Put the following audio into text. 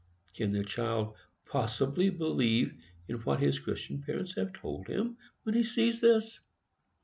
Can the child possibly believe in what his Christian parents have told him, when he sees this?